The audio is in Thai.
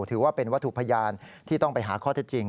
ถือว่าเป็นวัตถุพยานที่ต้องไปหาข้อเท็จจริง